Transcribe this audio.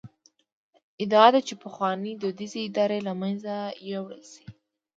ادعا ده چې پخوانۍ دودیزې ادارې له منځه یووړل شي.